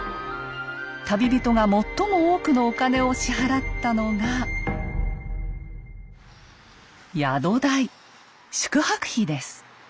旅人が最も多くのお金を支払ったのが宿泊費です。